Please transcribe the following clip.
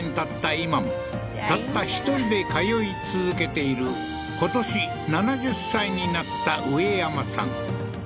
今もたった１人で通い続けている今年７０歳になった植山さん